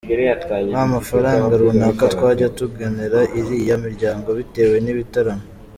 wamafaranga runaka twanjya tugenera iriya miryango bitewe nibitaramo.